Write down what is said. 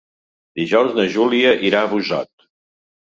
Dijous na Júlia irà a Busot.